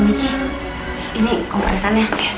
amici ini kompresannya